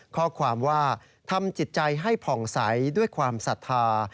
ข้อความว่าทำจิตใจให้ผ่องใสด้วยความศรัทธา